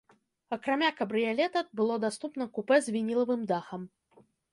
Акрамя кабрыялета, было даступна купэ з вінілавым дахам.